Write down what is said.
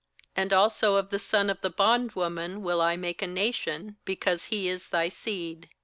13And also of the son of the bond woman will I make a nation, because he is thy seed.'